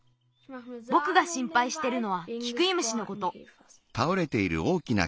ぼくがしんぱいしてるのはキクイムシのこと。